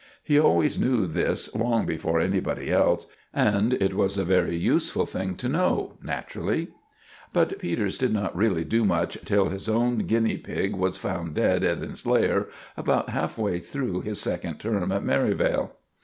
He always knew this long before anybody else, and it was a very useful thing to know, naturally. But Peters did not really do much till his own guinea pig was found dead in its lair about half way through his second term at Merivale.